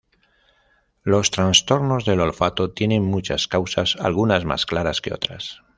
Los trastornos del olfato tienen muchas causas, algunas más claras que otras.